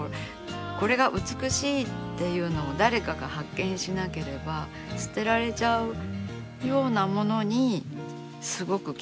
これが美しいっていうのを誰かが発見しなければ捨てられちゃうようなものにすごく気持ちがそそられるっていうか。